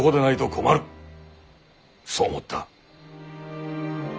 そう思った。